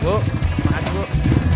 duh makasih duh